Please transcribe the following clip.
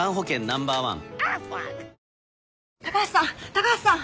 高橋さん！